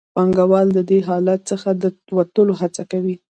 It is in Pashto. پانګوال د دې حالت څخه د وتلو هڅه کوي